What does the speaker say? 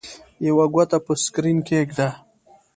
یوه ګوته پر سکرین کېږده.